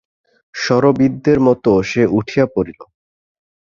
শরবিদ্ধের মতো সে উঠিয়া পড়িল।